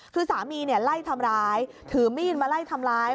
คือสามีไล่ทำร้ายถือมีดมาไล่ทำร้าย